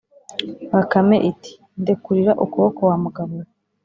bakame iti: “ndekurira ukuboko wa mugabo we!”